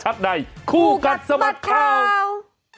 คู่กัดสมัครข่าวคู่กัดสมัครข่าว